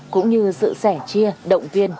cũng như sự sẻ chia động viên